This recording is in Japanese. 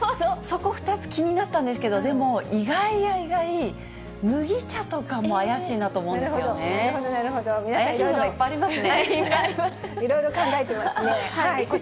そこ２つ、気になったんですけど、でも、意外や意外、麦茶とかも怪しいなと思うんですよね。